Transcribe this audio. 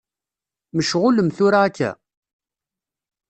Mecɣulem tura akka?